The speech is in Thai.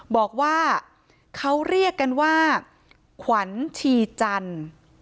บอกว่าเขาเรียกกันว่าขวัญชีจันทร์